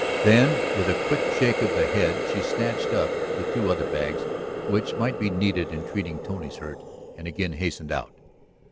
Then with a quick shake of the head she snatched up the two other bags which might be needed in treating Tony's hurt and again hastened out.